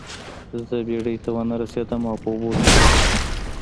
زه بیړۍ ته ونه رسیدم او په اوبو کې پاتې شوم.